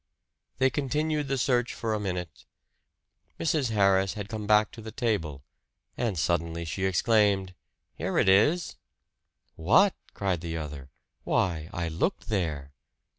They continued the search for a minute. Mrs. Harris had come back to the table; and suddenly she exclaimed, "Here it is!" "What!" cried the other. "Why, I looked there!"